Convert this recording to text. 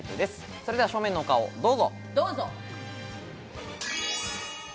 それでは正面のお顔どうぞ。